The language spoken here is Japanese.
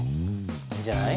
いいんじゃない？